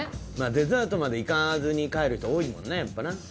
デザートまでいかずに帰る人多いもんねやっぱな。